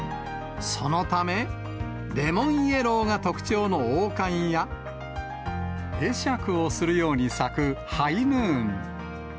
そのため、レモンイエローが特徴の黄冠や、会釈をするように咲くハイムーン。